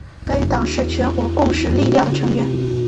该党是全国共识力量的成员。